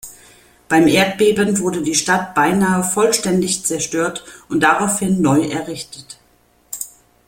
Beim Erdbeben wurde die Stadt beinahe vollständig zerstört und daraufhin neu errichtet.